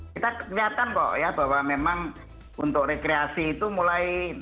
kita kelihatan kok ya bahwa memang untuk rekreasi itu mulai